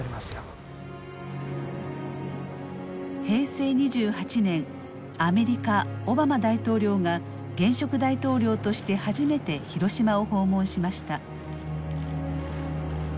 平成２８年アメリカオバマ大統領が現職大統領として初めて広島を訪問しました。